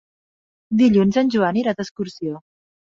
Dilluns en Joan irà d'excursió.